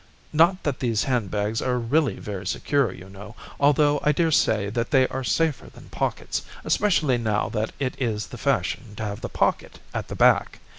Not that these handbags are really very secure, you know, although I daresay they are safer than pockets, especially now that it is the fashion to have the pocket at the back.